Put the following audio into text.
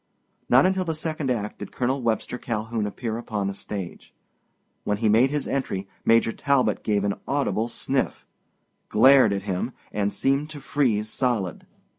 Not until the second act did Col. Webster Calhoun appear upon the stage. When he made his entry Major Talbot gave an audible sniff, glared at him, and seemed to freeze solid.